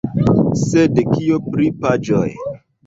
Sed kio pri paĝoj?